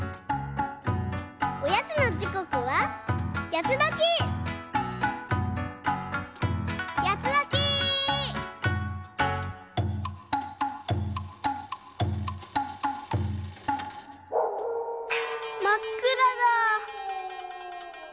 おやつのじこくはまっくらだ。